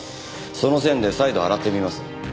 その線で再度洗ってみます。